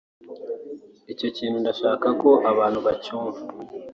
icyo kintu ndashaka ko abantu bacyumva